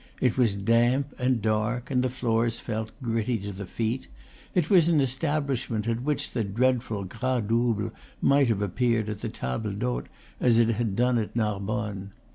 It was damp and dark, and the floors felt gritty to the feet; it was an establishment at which the dreadful gras double might have appeared at the table d'hote, as it had done at Narbonne.